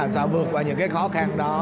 để làm sao vượt qua những cái khó khăn đó